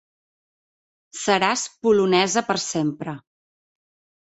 Seràs polonesa per sempre.